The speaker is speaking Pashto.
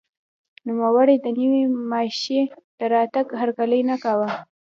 نوموړي د نوې ماشیۍ د راتګ هرکلی نه کاوه.